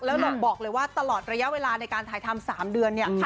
แล้วเราก็บอกเลยว่าตลอดระยะเวลาในการถ่ายทำ๓เดือน